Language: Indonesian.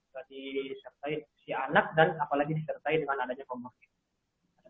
apalagi disertai si anak dan apalagi disertai dengan anaknya comorbid